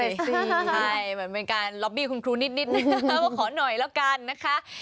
ใช่มันเป็นการล็อบบี้คุณครูนิดว่าขอหน่อยแล้วกันนะคะ